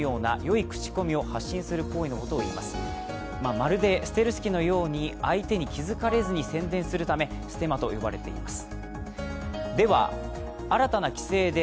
まるでステルス機のように、相手に気づかれずに宣伝するため、ステマと呼ばれています。